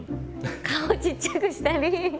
顔ちっちゃくしたり。